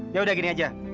ya udah gini aja